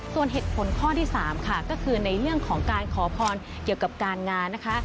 ส่วนเหตุผลข้อที่๓ค่ะก็คือในเรื่องของการขอพรเกี่ยวกับการงานนะคะ